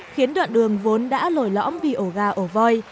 khiến đoạn đường vốn đã lồi lõm vì ổ gà ổ voi